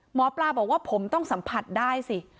หมอปลาบอกว่าผมต้องสัมผัสได้สิ